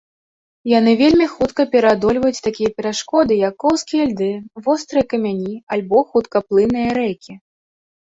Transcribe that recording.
Яны вельмі хутка пераадольваюць такія перашкоды, як коўзкія льды, вострыя камяні альбо хуткаплынныя рэкі.